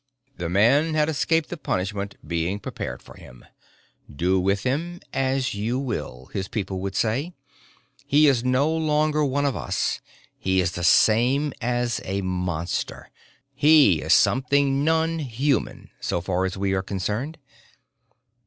The man had escaped the punishment being prepared for him. Do with him as you will, his people would say. He is no longer one of us; he is the same as a Monster; he is something non human so far as we are concerned.